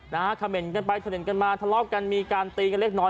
นะคะคาเมนต์กันไปเทรนต์กันมาทะเลาะกันมีการตีกันเล็กน้อย